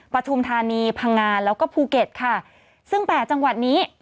ปฐุมธานีพังงานแล้วก็ภูเก็ตค่ะซึ่งแปดจังหวัดนี้